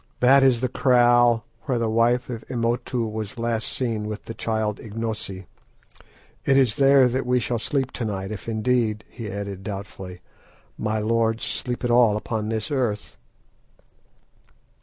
"That is the kraal where the wife of Imotu was last seen with the child Ignosi. It is there that we shall sleep to night, if, indeed," he added doubtfully, "my lords sleep at all upon this earth."